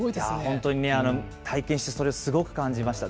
本当にね、体験してそれをすごく感じました。